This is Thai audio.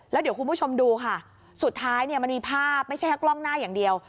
แล้วเดี๋ยวคุณผู้ชมดูค่ะสุดท้ายเนี่ยมันมีภาพไม่ใช่แค่กล้องหน้าอย่างเดียว